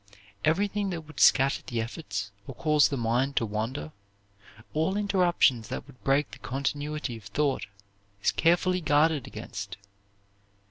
Everything that would scatter the efforts or cause the mind to wander, all interruptions that would break the continuity of thought, is carefully guarded against.